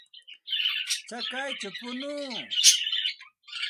Chakayćhaw punuu.